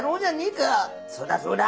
「そうだそうだ」。